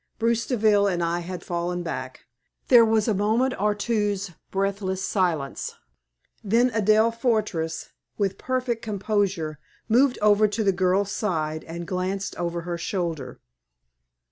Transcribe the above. Bruce Deville and I had fallen back. There was a moment or two's breathless silence. Then Adelaide Fortress, with perfect composure, moved over to the girl's side, and glanced over her shoulder.